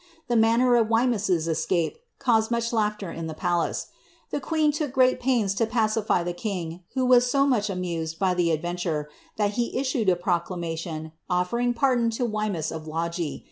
The manner of Wemy*'s escape caused much laughter in ihc palace; the queen look greal pait^a to pacify the king, who was so much amused by the adventure, tliat he issued a proclamation, offering pardon to Wemys of Logie.